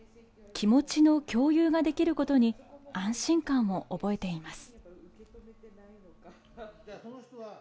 気持ちの共有ができることに安心感を覚えています。